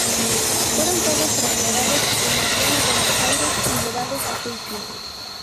Fueron todos trasladados en avión a Buenos Aires y llevados a juicio.